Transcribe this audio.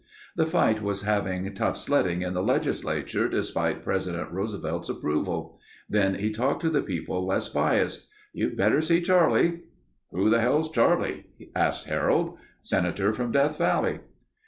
The fight was having tough sledding in the legislature despite President Roosevelt's approval. Then he talked to people less biased. "You'd better see Charlie...." "Who the hell's Charlie?" asked Harold. "Senator from Death Valley...."